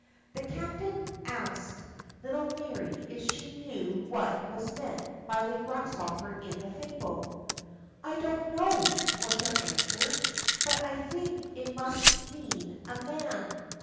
The captain asked little Mary if she knew what was meant by the grasshopper in the fable. "I don't know," was her answer; "but I think it must mean a man."